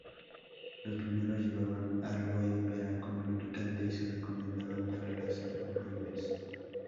Los primeros llevaban aloe vera como lubricante y se recomendaban para las hemorroides.